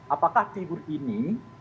apakah figur ini